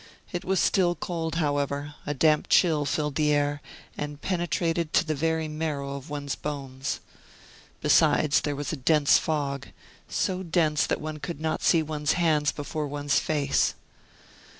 It was still cold, however; a damp chill filled the air, and penetrated to the very marrow of one's bones. Besides, there was a dense fog, so dense that one could not see one's hands before one's face.